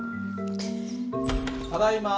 ただいま。